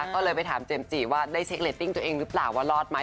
ก็เลยไปถามเจมส์จีว่าได้เช็คเรตติ้งตัวเองหรือเปล่าว่ารอดไหม